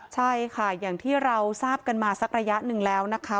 ใช่ค่ะอย่างที่เราทราบกันมาสักระยะหนึ่งแล้วนะคะ